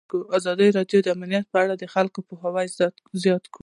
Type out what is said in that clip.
ازادي راډیو د امنیت په اړه د خلکو پوهاوی زیات کړی.